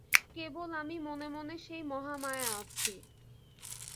কেবল আমি মনে মনে সেই মহামায়া আছি।